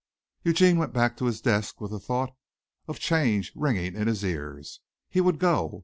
Eugene went back to his desk with the thought of change ringing in his ears. He would go.